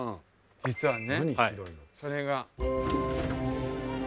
実はねそれが。